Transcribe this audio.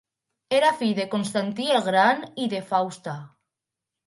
Era fill de Constantí el Gran i de Fausta.